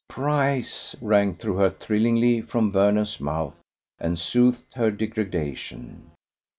"Prize" rang through her thrillingly from Vernon's mouth, and soothed her degradation.